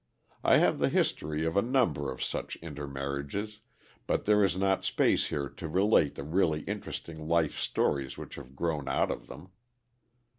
I have the history of a number of such intermarriages, but there is not space here to relate the really interesting life stories which have grown out of them.